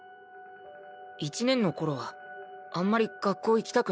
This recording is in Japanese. １年の頃はあんまり学校行きたくなくて。